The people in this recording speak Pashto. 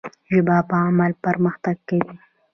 ژبه په عمل پرمختګ کوي.